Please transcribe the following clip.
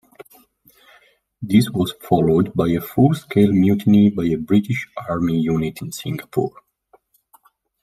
This was followed by a full-scale mutiny by a British Army unit in Singapore.